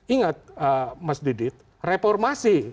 ingat mas didit reformasi